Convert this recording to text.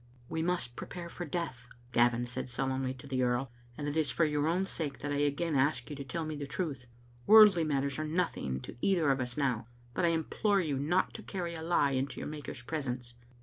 "We must prepare for death/* Gavin said solemnly to the earl, and it is for your own sake that I again ask yon to tell me the truth. Worldly matters are nothing to either of us now, but I implore you not to carry a lie into your Maker's presence."